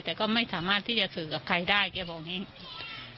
แต่ก็ไม่สามารถที่จะสื่อกับใครได้แกบอกอย่างนี้